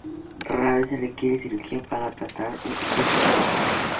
Rara vez se requiere cirugía para tratar esta afección.